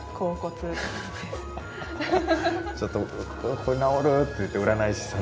「ちょっとここ治る？」って言って占い師さんに。